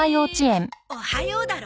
「おはよう」だろ。